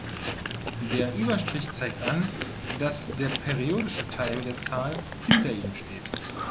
Der Überstrich zeigt an, dass der periodische Teil der Zahl hinter ihm steht.